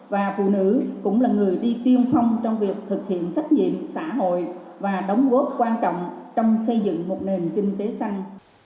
và phụ nữ cũng là người đi tiên phong trong việc thực hiện trách nhiệm xã hội và đóng góp quan trọng trong xây dựng một nền kinh tế xanh